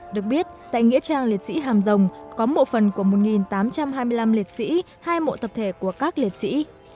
được biết tại nghĩa trang liệt sĩ hàm rồng có mộ phần của một tám trăm hai mươi năm liệt sĩ hai mộ tập thể của các liệt sĩ